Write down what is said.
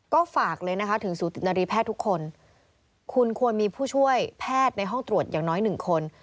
ก็ฝากเลยนะคะถึงสูตินารีแพทย์ทุกคนคุณควรมีผู้ช่วยแพทย์ในห้องตรวจอย่างน้อยหนึ่งคน